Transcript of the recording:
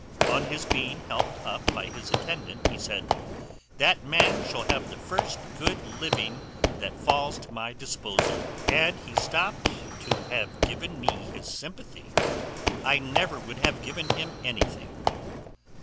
On his being helped up by his attendant, he said, "That man shall have the first good living that falls to my disposal: had he stopped to have given me his sympathy, I never would have given him anything."